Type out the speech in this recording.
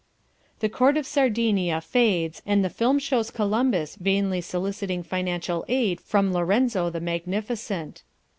The Court of Sardinia fades and the film shows Columbus vainly soliciting financial aid from Lorenzo the Magnificent.